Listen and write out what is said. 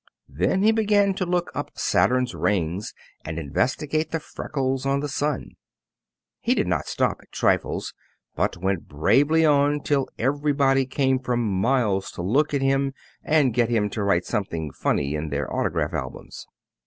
Then he began to look up Saturn's rings and investigate the freckles on the sun. He did not stop at trifles, but went bravely on till everybody came for miles to look at him and get him to write something funny in their autograph albums.